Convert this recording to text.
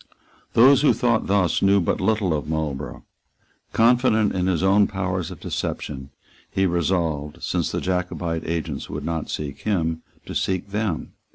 Those who thought thus knew but little of Marlborough. Confident in his own powers of deception, he resolved, since the Jacobite agents would not seek him, to seek them.